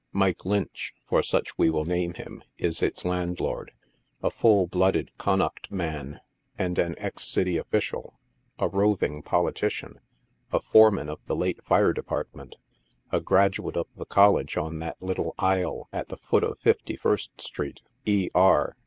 Mike Lynch (for such we will name him,) is its landlord — a full blooded Connaught man and an ex city official, a roving politician, a foreman of the late fire department, a graduate of the college on that little isle at the foot of Fifty first street, E. R.